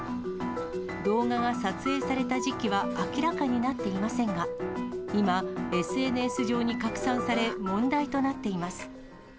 動画が撮影された時期は、明らかになっていませんが、今、ＳＮＳ上に拡散され、問題となっています。